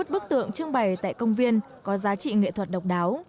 hai mươi bức tượng trưng bày tại công viên có giá trị nghệ thuật độc đáo